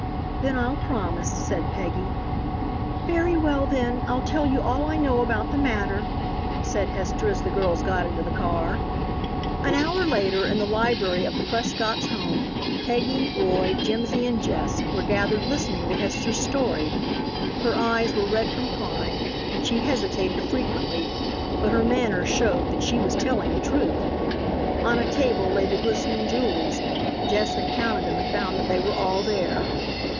"Then I'll promise," said Peggy. "Very well, then, I'll tell you all I know about the matter," said Hester, as the girls got into the car. An hour later, in the library of the Prescott's home, Peggy, Roy, Jimsy and Jess were gathered listening to Hester's story. Her eyes were red from crying and she hesitated frequently, but her manner showed that she was telling the truth. On a table lay the glistening jewels. Jess had counted them and found that they were all there.